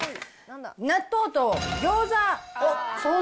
納豆とギョーザ。